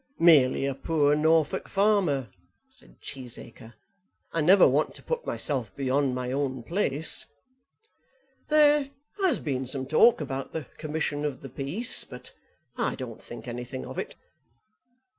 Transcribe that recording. "Merely a poor Norfolk farmer," said Cheesacre. "I never want to put myself beyond my own place. There has been some talk about the Commission of the Peace, but I don't think anything of it."